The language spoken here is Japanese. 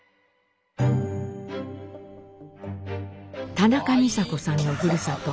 田中美佐子さんのふるさと